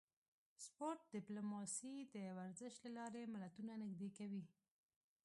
سپورت ډیپلوماسي د ورزش له لارې ملتونه نږدې کوي